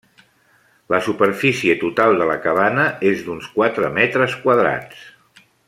La superfície total de la cabana és d'uns quatre metres quadrats.